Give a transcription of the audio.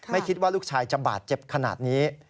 ไม่คิดว่าลูกชายจะบาดเจ็บขนาดนี้